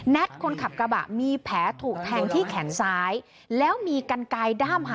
นัทคนขับกระบะมีแผลถูกแทงที่แขนซ้ายแล้วมีกันไกด้ำค่ะ